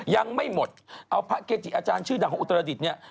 ยังไม่หมดเอาพระเกจิอาจารย์ชื่อดังของอุตรดิษฐ์เนี่ย